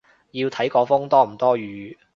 要睇個風多唔多雨